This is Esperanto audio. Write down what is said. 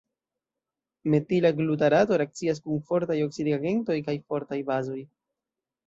Metila glutarato reakcias kun fortaj oksidigagentoj kaj fortaj bazoj.